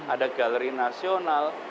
ada galeri nasional